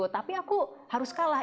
tapi aku harus kalah